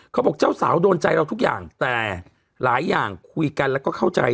เขาบอกเจ้าสาวโดนใจเราทุกอย่างแต่หลายอย่างคุยกันแล้วก็เข้าใจ